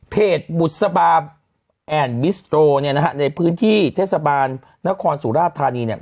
บุษบาแอนด์บิสโตรเนี่ยนะฮะในพื้นที่เทศบาลนครสุราชธานีเนี่ย